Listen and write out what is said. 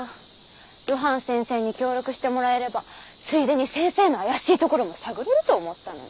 露伴先生に協力してもらえればついでに先生の怪しいところも探れると思ったのに。